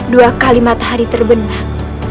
dua kali matahari terbenam